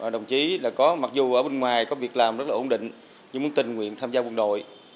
đồng chí có mặc dù ở bên ngoài có việc làm rất là ổn định nhưng muốn tình nguyện tham gia quân đội